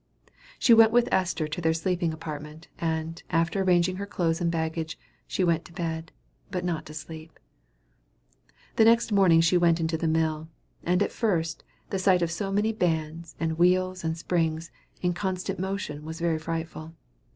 She went with Esther to their sleeping apartment, and, after arranging her clothes and baggage, she went to bed, but not to sleep. The next morning she went into the mill; and at first, the sight of so many bands, and wheels, and springs, in constant motion was very frightful.